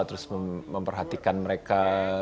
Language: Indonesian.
terus memperhatikan mereka